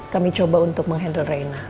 kami coba untuk menghandle raina